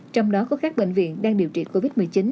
trong đó có các bệnh viện đang điều trị covid một mươi chín